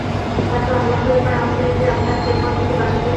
হয়তো আল্লাহ এবার আমাদেরকে আপনার খেদমত থেকে বাঁচাবেন।